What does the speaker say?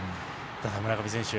村上選手